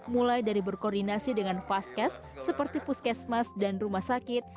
mulai dari berkoordinasi dengan vaskes seperti puskesmas dan rumah sakit